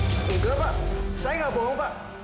tidak pak saya tidak bohong pak